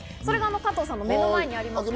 加藤さんの目の前にあります。